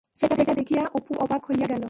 সেইটা দেখিয়া অপু অবাক হইয়া গেল।